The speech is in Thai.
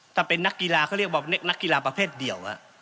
ถ้าเป็นนักกีฬาเขาเรียกว่านักกีฬาประเภทเดียว